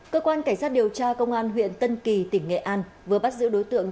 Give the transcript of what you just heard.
cơ quan cảnh sát điều tra công an huyện tân kỳ tỉnh nghệ an vừa bắt giữ đối tượng